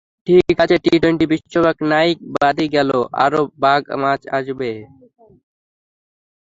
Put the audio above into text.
ঠিক আছে, টি–টোয়েন্টি বিশ্বকাপ নাহয় বাদই গেল, আরও মাঘ মাস আসবে।